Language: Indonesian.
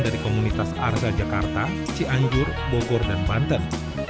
dari komunitas arja jakarta cianjur bogor dan banten